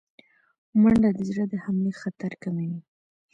منډه د زړه د حملې خطر کموي